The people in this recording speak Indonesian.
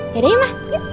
yaudah ya ma